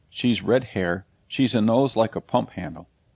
She's red hair. She's a nose like a pump handle.